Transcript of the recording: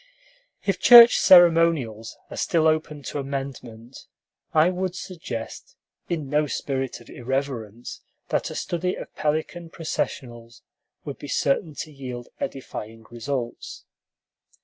If church ceremonials are still open to amendment, I would suggest, in no spirit of irreverence, that a study of pelican processionals would be certain to yield edifying results.